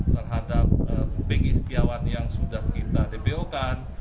terhadap begi setiawan yang sudah kita dpo kan